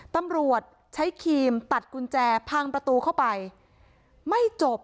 ตำรวจใช้ครีมตัดกุญแจพังประตูเข้าไปไม่จบ